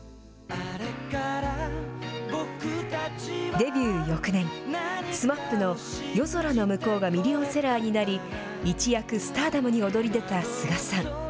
デビュー翌年、ＳＭＡＰの夜空ノムコウがミリオンセラーになり、一躍、スターダムに躍り出たスガさん。